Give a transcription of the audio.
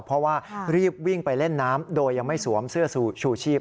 เพราะว่ารีบวิ่งไปเล่นน้ำโดยยังไม่สวมเสื้อชูชีพ